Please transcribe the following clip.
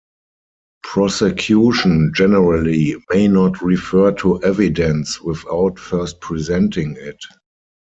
Prosecution generally may not refer to evidence without first presenting it.